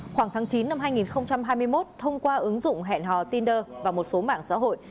khoảng tháng chín năm hai nghìn hai mươi một thông qua ứng dụng hẹn hò tinder và một số mạng xã hội